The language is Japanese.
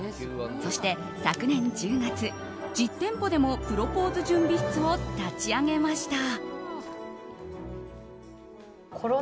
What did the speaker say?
そして昨年１０月、実店舗でもプロポーズ準備室を立ち上げました。